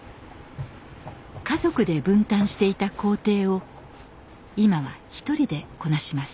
家族で分担していた工程を今は１人でこなします。